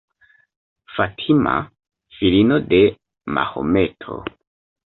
Fatima, filino de Mahometo.